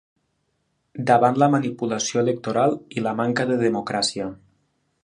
Davant la manipulació electoral i la manca de democràcia.